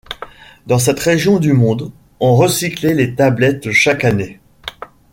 Dans cette région du monde, on recyclait les tablettes chaque année.